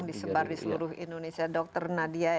disebar di seluruh indonesia dr nadia